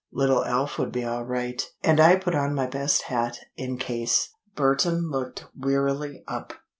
Little Alf would be all right, and I put on my best hat, in case." Burton looked wearily up.